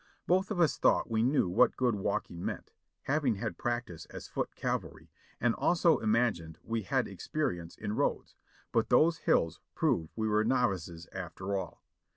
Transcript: Both of us thought we knew what good walking meant, having had practice as foot cavalry, and also imagined we had ex perience in roads ; but those hills proved we were novices after all.